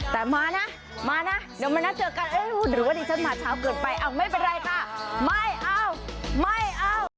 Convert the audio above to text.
แต่มานะมานะเดี๋ยวมานัดเจอกันหรือว่าดิฉันมาเช้าเกินไปอ้าวไม่เป็นไรค่ะไม่เอาไม่เอา